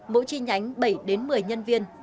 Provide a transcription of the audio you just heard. mỗi chi nhánh bảy đến một mươi nhân viên